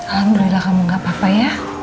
alhamdulillah kamu gak apa apa ya